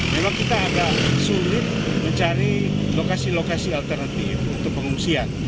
memang kita agak sulit mencari lokasi lokasi alternatif untuk pengungsian